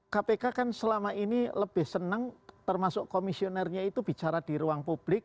kpk kan selama ini lebih senang termasuk komisionernya itu bicara di ruang publik